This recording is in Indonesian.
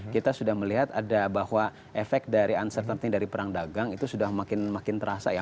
kita sudah melihat ada bahwa efek dari uncertainty dari perang dagang itu sudah makin terasa ya